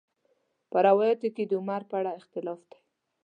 په روایاتو کې د عمر په اړه اختلاف دی.